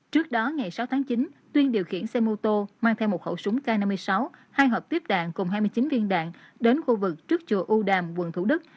trước đó ngày sáu tháng chín tuyên điều khiển xe mô tô mang theo một khẩu súng k năm mươi sáu hai hợp tiếp đạn cùng hai mươi chín viên đạn đến khu vực trước chùa u đàm quận thủ đức